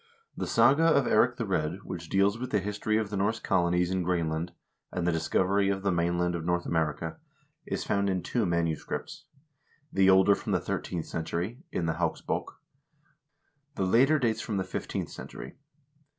The "Saga of Eirik the Red," which deals with the history of the Norse colonies in Green land, and the discovery of the mainland of North America, is found in two manuscripts; the older from the thirteenth century, in the "Hauksbok," the later dates from the fifteenth century.